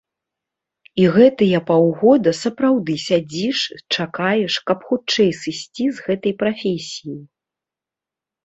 І гэтыя паўгода сапраўды сядзіш, чакаеш, каб хутчэй сысці з гэтай прафесіі.